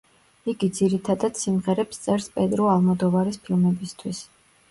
იგი ძირითადად სიმღერებს წერს პედრო ალმოდოვარის ფილმებისთვის.